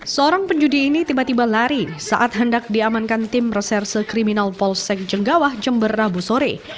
seorang penjudi ini tiba tiba lari saat hendak diamankan tim reserse kriminal polsek jenggawah jember rabu sore